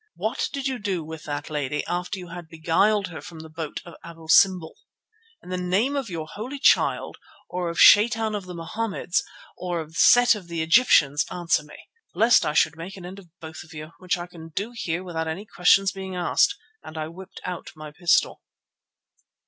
What did you do with that lady after you had beguiled her from the boat at Abu Simbel? In the name of your Holy Child, or of Shaitan of the Mohammedans, or of Set of the Egyptians, answer me, lest I should make an end of both of you, which I can do here without any questions being asked," and I whipped out my pistol.